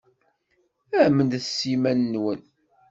Amnet s yiman-nwen.